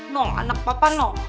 nuh anak papa nuh